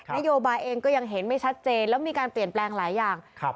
โยบายเองก็ยังเห็นไม่ชัดเจนแล้วมีการเปลี่ยนแปลงหลายอย่างครับ